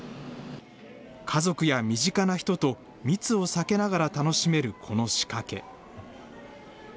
家族や身近な人と密を避けながら楽しめるこの仕掛け。